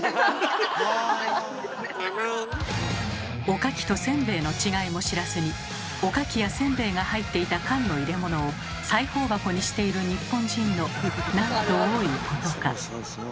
おかきとせんべいの違いも知らずにおかきやせんべいが入っていた缶の入れ物を裁縫箱にしている日本人のなんと多いことか。